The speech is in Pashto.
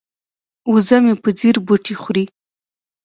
وزه مې په ځیر بوټي خوري.